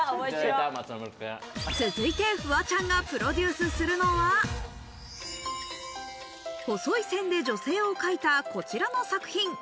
続いて、フワちゃんがプロデュースするのは、細い線で女性を描いたこちらの作品。